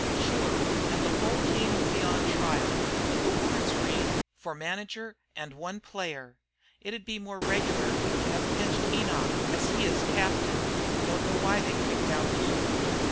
"Shure, an' the whole team 'll be on trial, but the warrants read for manager and, one player. It'd been more regular to hev pinched Enoch, as he is captain. Don't know why they picked out you."